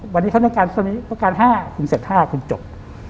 วันนี้เขาต้องการ๕คุณเสร็จ๕คุณจบ